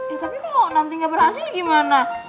ya tapi kalo nanti gak berhasil gimana